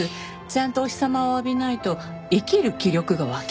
ちゃんとお日様を浴びないと生きる気力が湧きません。